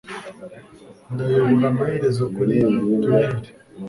ndayobora amaherezo kuri tunneli